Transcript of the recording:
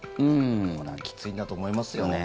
これはきついんだと思いますよ。